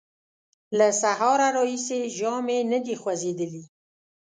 له سهاره راهیسې یې ژامې نه دې خوځېدلې!